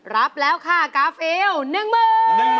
รับแล้วค่ะกาฟิวหนึ่งมือ